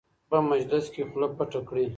په مجلس کې خوله پټه کړئ.